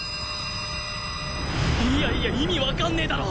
いやいや意味わかんねえだろ！